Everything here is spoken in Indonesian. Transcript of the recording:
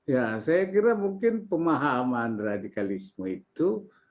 ya saya kira mungkin pemahaman radikalisme itu